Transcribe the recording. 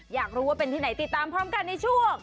อยากรู้ว่าเป็นที่ไหนติดตามพร้อมกันในช่วง